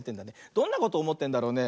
どんなことおもってんだろうね。